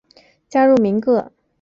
加入民革。